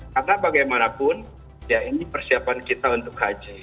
karena bagaimanapun ya ini persiapan kita untuk haji